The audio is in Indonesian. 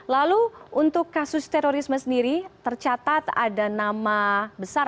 lalu untuk kasus terorisme sendiri tercatat ada nama besar